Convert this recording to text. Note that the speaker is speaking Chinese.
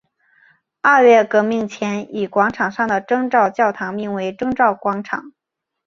二月革命前以广场上的征兆教堂名为征兆广场。